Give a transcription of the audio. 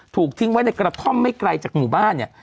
ถูกทิ้งไว้ในกระท่อมไม่ไกลจากหมู่บ้านเนี่ย